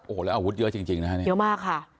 โอ้โหแล้วอาวุธเยอะจริงนะฮะเนี่ยเยอะมากค่ะ